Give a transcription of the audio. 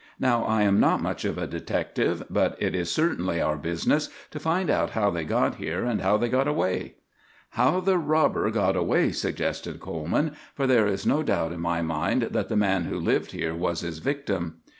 Now I am not much of a detective, but it is certainly our business to find out how they got here and how they got away." "How the robber got away," suggested Coleman; "for there is no doubt in my mind that the man who lived here was his victim."